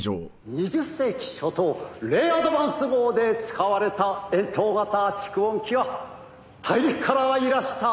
「２０世紀初頭レイアドバンス号で使われた円筒型蓄音機は大陸からいらした大人に７４０万円で落札です」